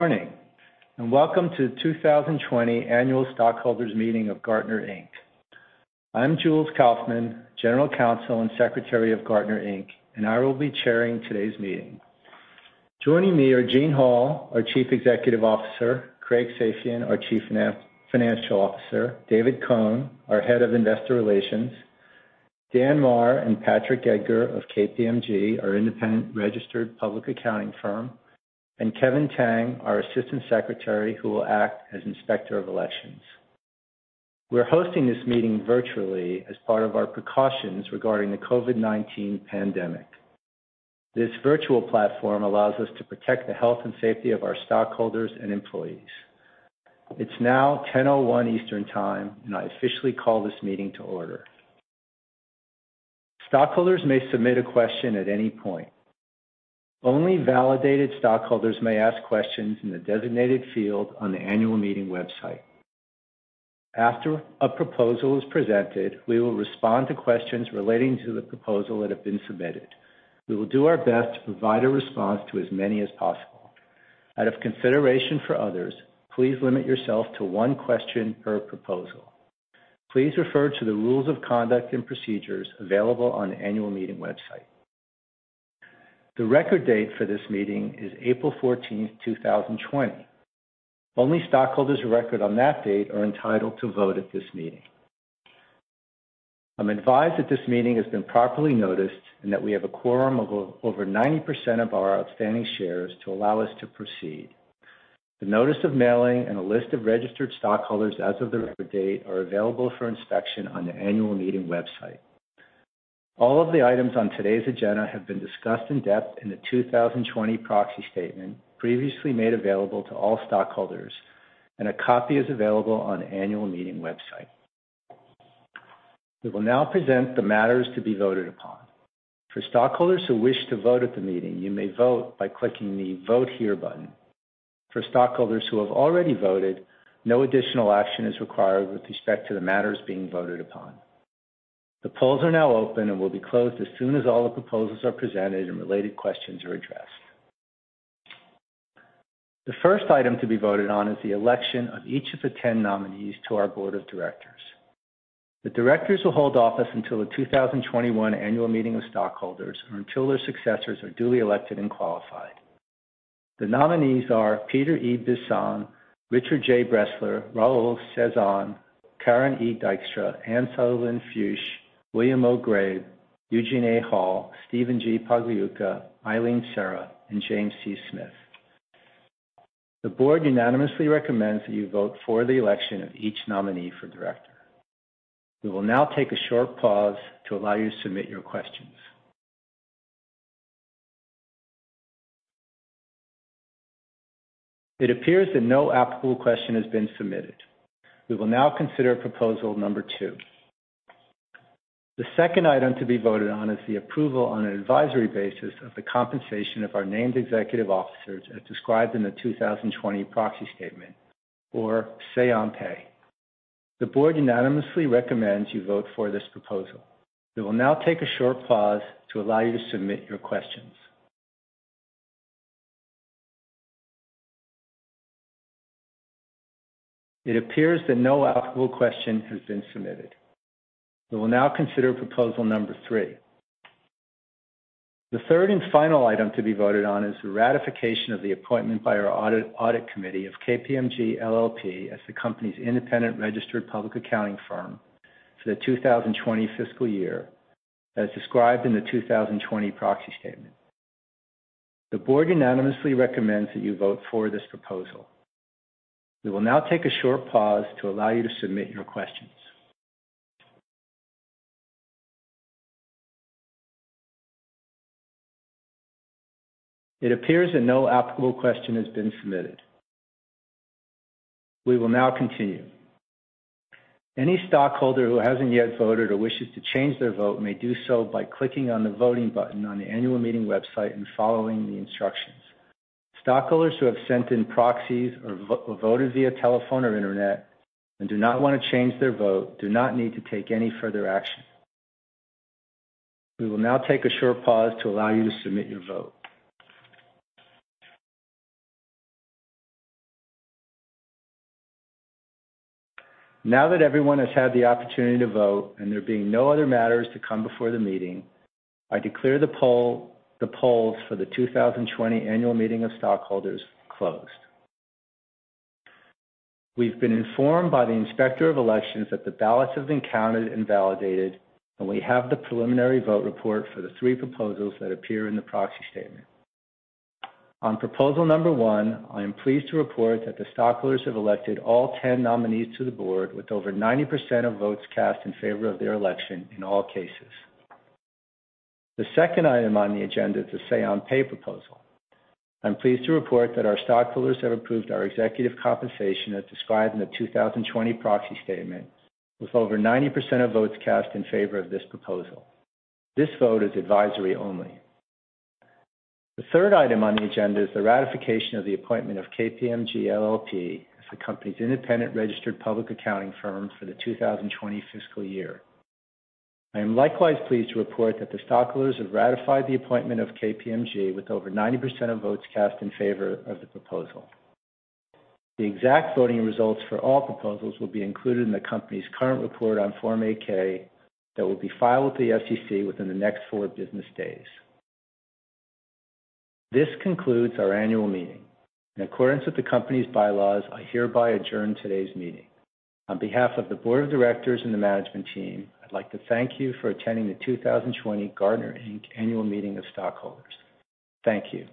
Morning, and welcome to the 2020 Annual Stockholders Meeting of Gartner, Inc. I'm Jules Kaufman, General counsel and Secretary of Gartner, Inc., and I will be chairing today's meeting. Joining me are Eugene Hall, our Chief Executive Officer; Craig Safian, our Chief Financial Officer; David Cohen, our head of investor relations; Dan Maher and Patrick Edgar of KPMG, our independent registered public accounting firm, and Kevin Tang, our assistant secretary, who will act as inspector of elections. We're hosting this meeting virtually as part of our precautions regarding the COVID-19 pandemic. This virtual platform allows us to protect the health and safety of our stockholders and employees. It's now 10:01 Eastern Time, and I officially call this meeting to order. Stockholders may submit a question at any point. Only validated stockholders may ask questions in the designated field on the annual meeting website. After a proposal is presented, we will respond to questions relating to the proposal that have been submitted. We will do our best to provide a response to as many as possible. Out of consideration for others, please limit yourself to one question per proposal. Please refer to the rules of conduct and procedures available on the annual meeting website. The record date for this meeting is April 14th, 2020. Only stockholders of record on that date are entitled to vote at this meeting. I'm advised that this meeting has been properly noticed and that we have a quorum of over 90% of our outstanding shares to allow us to proceed. The notice of mailing and a list of registered stockholders as of the record date are available for inspection on the annual meeting website. All of the items on today's agenda have been discussed in depth in the 2020 proxy statement previously made available to all stockholders, and a copy is available on the annual meeting website. We will now present the matters to be voted upon. For stockholders who wish to vote at the meeting, you may vote by clicking the Vote Here button. For stockholders who have already voted, no additional action is required with respect to the matters being voted upon. The polls are now open and will be closed as soon as all the proposals are presented and related questions are addressed. The first item to be voted on is the election of each of the 10 nominees to our board of directors. The directors will hold office until the 2021 annual meeting of stockholders or until their successors are duly elected and qualified. The nominees are Peter E. Bisson, Richard J. Bressler, Raul E. Cesan, Karen E. Dykstra, Anne Sutherland Fuchs, William O. Grabe, Eugene A. Hall, Stephen G. Pagliuca, Eileen Serra, and James C. Smith. The board unanimously recommends that you vote for the election of each nominee for director. We will now take a short pause to allow you to submit your questions. It appears that no applicable question has been submitted. We will now consider proposal number two. The second item to be voted on is the approval on an advisory basis of the compensation of our named executive officers as described in the 2020 proxy statement or say on pay. The board unanimously recommends you vote for this proposal. We will now take a short pause to allow you to submit your questions. It appears that no applicable question has been submitted. We will now consider proposal number three. The third and final item to be voted on is the ratification of the appointment by our audit committee of KPMG LLP as the company's independent registered public accounting firm for the 2020 fiscal year, as described in the 2020 proxy statement. The board unanimously recommends that you vote for this proposal. We will now take a short pause to allow you to submit your questions. It appears that no applicable question has been submitted. We will now continue. Any stockholder who hasn't yet voted or wishes to change their vote may do so by clicking on the voting button on the annual meeting website and following the instructions. Stockholders who have sent in proxies or voted via telephone or internet and do not want to change their vote do not need to take any further action. We will now take a short pause to allow you to submit your vote. Now that everyone has had the opportunity to vote and there being no other matters to come before the meeting, I declare the polls for the 2020 annual meeting of stockholders closed. We've been informed by the inspector of elections that the ballots have been counted and validated, and we have the preliminary vote report for the three proposals that appear in the proxy statement. On proposal number one, I am pleased to report that the stockholders have elected all 10 nominees to the board with over 90% of votes cast in favor of their election in all cases. The second item on the agenda is a say on pay proposal. I'm pleased to report that our stockholders have approved our executive compensation as described in the 2020 proxy statement with over 90% of votes cast in favor of this proposal. This vote is advisory only. The third item on the agenda is the ratification of the appointment of KPMG LLP as the company's independent registered public accounting firm for the 2020 fiscal year. I am likewise pleased to report that the stockholders have ratified the appointment of KPMG with over 90% of votes cast in favor of the proposal. The exact voting results for all proposals will be included in the company's current report on Form 8-K that will be filed with the SEC within the next four business days. This concludes our annual meeting. In accordance with the company's bylaws, I hereby adjourn today's meeting. On behalf of the board of directors and the management team, I'd like to thank you for attending the 2020 Gartner, Inc. Annual Meeting of Stockholders. Thank you.